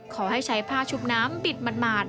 ขอให้ใช้ผ้าชุบน้ำบิดหมาด